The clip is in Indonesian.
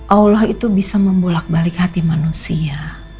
allah itu bisa membulak balik hati manusia